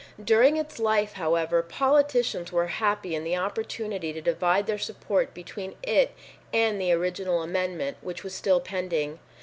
During its life, however, politicians were happy in the opportunity to divide their support between it and the original amendment, which was still pending.